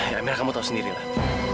ya amira kamu tau sendiri lah